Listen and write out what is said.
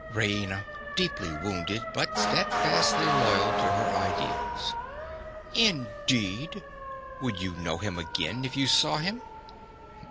RAINA. (deeply wounded, but steadfastly loyal to her ideals). Indeed! Would you know him again if you saw him?